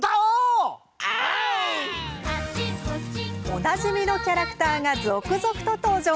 おなじみのキャラクターが続々と登場。